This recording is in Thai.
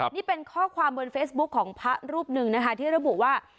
นี่เป็นข้อความบนเฟซบุ๊คของพระรูปหนึ่งนะคะที่ระบุว่า